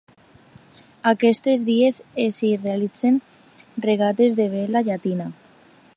Aquests dies s'hi realitzen regates de vela llatina.